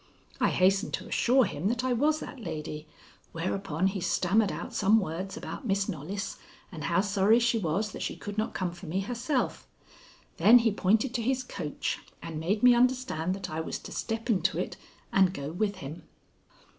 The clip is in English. I hastened to assure him that I was that lady, whereupon he stammered out some words about Miss Knollys, and how sorry she was that she could not come for me herself. Then he pointed to his coach, and made me understand that I was to step into it and go with him.